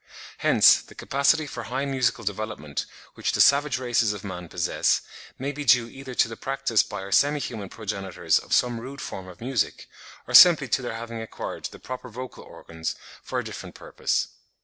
Hence the capacity for high musical development which the savage races of man possess, may be due either to the practice by our semi human progenitors of some rude form of music, or simply to their having acquired the proper vocal organs for a different purpose.